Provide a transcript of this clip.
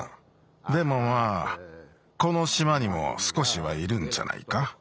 でもまあこのしまにもすこしはいるんじゃないか。